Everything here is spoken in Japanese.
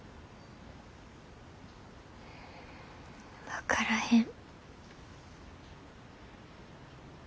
分からへん。